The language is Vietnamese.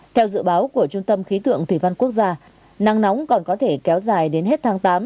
theo dự báo của trung tâm khí tượng thủy văn quốc gia nắng nóng còn có thể kéo dài đến hết tháng tám